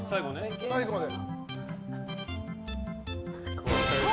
最後まで。